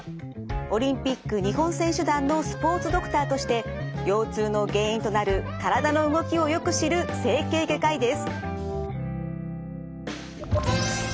オリンピック日本選手団のスポーツドクターとして腰痛の原因となる体の動きをよく知る整形外科医です。